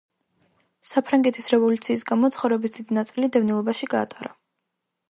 საფრანგეთის რევოლუციის გამო ცხოვრების დიდი ნაწილი დევნილობაში გაატარა.